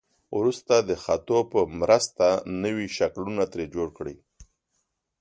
وروسته د خطو په مرسته نوي شکلونه ترې جوړ کړئ.